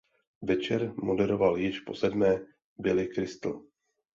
Večer moderoval již po sedmé Billy Crystal.